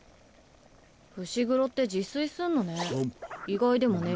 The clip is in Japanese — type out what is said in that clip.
伏黒って自炊すんのね。